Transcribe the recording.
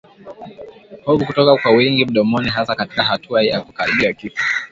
Povu kutoka kwa wingi mdomoni hasa katika hatua ya kukaribia kifo